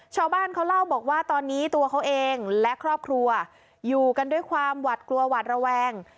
ชาวบ้านเขาเล่าบอกว่าตอนนี้ตัวเขาเองและครอบครัวอยู่กันด้วยความหวัดกลัวหวัดระแวง